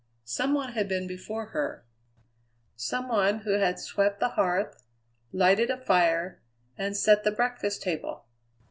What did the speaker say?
Some one had been before her. Some one who had swept the hearth, lighted a fire, and set the breakfast table.